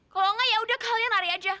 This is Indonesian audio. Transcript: kalo gak yaudah kalian lari aja